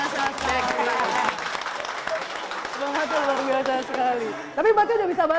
semangat terbaru biasa pak